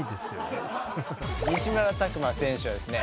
西村拓真選手はですね